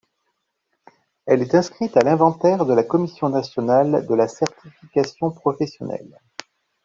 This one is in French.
Elle est inscrite à l'inventaire de la Commission Nationale de la Certification Professionnelle.